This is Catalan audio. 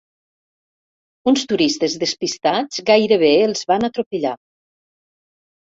Uns turistes despistats gairebé els van atropellar.